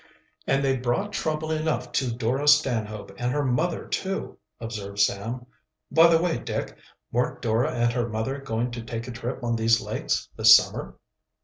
"And they brought trouble enough to Dora Stanhope and her mother, too," observed Sam. "By the way, Dick, weren't Dora and her mother going to take a trip on these lakes this summer?"